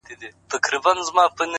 د چا په برېت کي ونښتې پېزوانه سرگردانه;